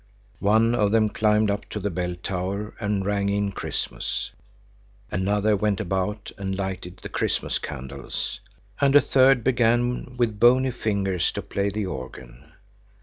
One of them climbed up to the bell tower and rang in Christmas; another went about and lighted the Christmas candles, and a third began with bony fingers to play the organ.